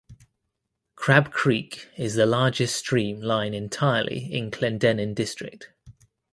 Crab Creek is the largest stream lying entirely in Clendenin District.